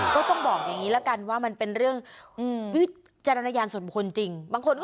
ก็ต้องบอกอย่างนี้ละกันว่ามันเป็นเรื่อง